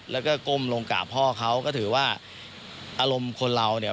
แล้วก็ก้มลงกราบพ่อเขาก็ถือว่าอารมณ์คนเราเนี่ย